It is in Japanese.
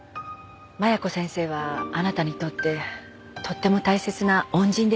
麻弥子先生はあなたにとってとっても大切な恩人でしたね。